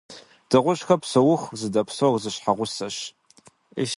Дыгъужьхэр псэуху зыдэпсэур зы щхьэгъусэщ.